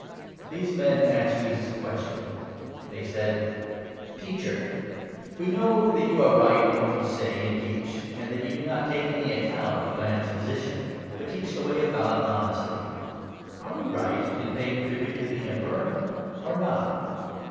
Tin. se men asked Jesus a question. They said : 21 "Teacher, we know that you are right in what you say and teach, and that you do not take any account of a man's posi tion, but teach the Way of God honestly ; are we right in 22 paying tribute to the Emperor or not